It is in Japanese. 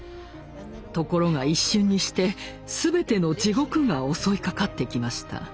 ところが一瞬にして全ての地獄が襲いかかってきました。